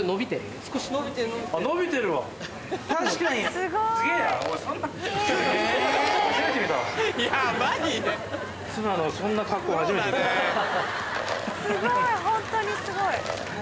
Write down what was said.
すごいホントにすごい。